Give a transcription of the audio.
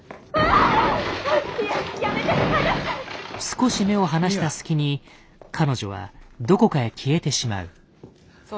少し目を離した隙に彼女はどこかへ消えてしまう。